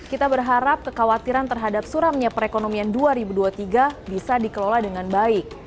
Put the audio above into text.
kita berharap kekhawatiran terhadap suramnya perekonomian dua ribu dua puluh tiga bisa dikelola dengan baik